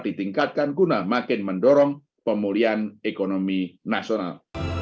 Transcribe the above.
ditingkatkan guna makin mendorong pemulihan ekonomi nasional